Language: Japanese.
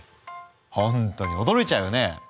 ほんとに驚いちゃうよね。